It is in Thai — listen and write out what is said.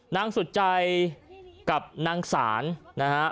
นางสุดใจกับนางสาน